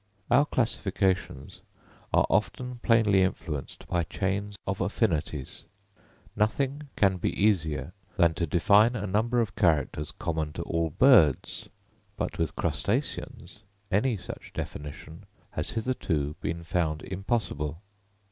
Our classifications are often plainly influenced by chains of affinities. Nothing can be easier than to define a number of characters common to all birds; but with crustaceans, any such definition has hitherto been found impossible.